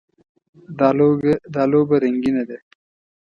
دا لوبه رنګینه ده.